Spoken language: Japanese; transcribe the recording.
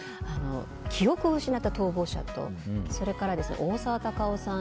記憶を失った逃亡者と大沢たかおさん